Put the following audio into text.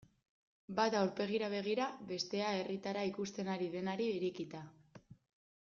Bata aurpegira begira, bestea herritarra ikusten ari denari irekita.